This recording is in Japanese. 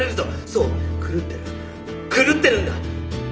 そう狂ってる狂ってるんだ！